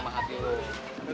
harusnya dia lulus